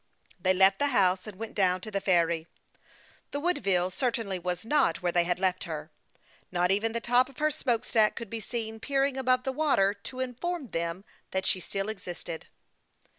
They left the house, and went down to the ferry. The Woodville certainly was not where they had left her ; not even the top of her smoke stack could be seen peering above the water to inform them that she still existed.